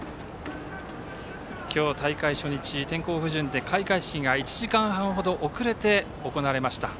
今日、大会初日は天候不順で開会式が１時間半ほど遅れて行われました。